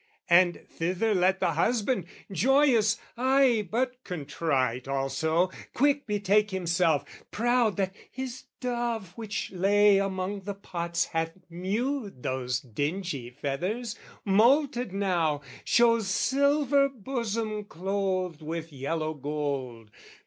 And thither let the husband, joyous ay, But contrite also quick betake himself, Proud that his dove which lay among the pots Hath mued those dingy feathers, moulted now, Shows silver bosom clothed with yellow gold.